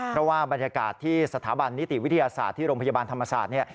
เพราะว่าบรรยากาศที่สถาบันนิติวิทยาศาสตร์ที่โรงพยาบาลธรรมศาสตร์